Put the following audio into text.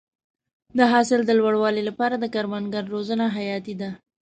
د حاصل د لوړوالي لپاره د کروندګرو روزنه حیاتي ده.